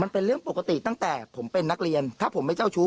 มันเป็นเรื่องปกติตั้งแต่ผมเป็นนักเรียนถ้าผมไม่เจ้าชู้